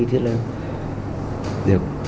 thế là được